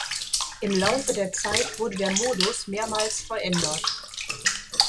Im Laufe der Zeit wurde der Modus mehrmals verändert.